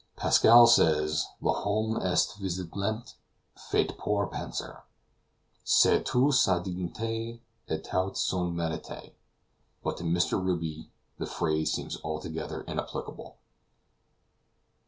Pascal says, "L'homme est visiblement fait pour penser. C'est toute sa dignite et tout son merite;" but to Mr. Ruby the phrase seems altogether inapplicable.